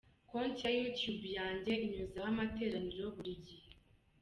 Konti ya Youtube yanjye inyuzaho amateraniro buri gihe.